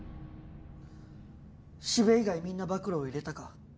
四部以外みんな暴露を入れたか？